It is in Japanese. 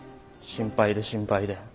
心配で心配で。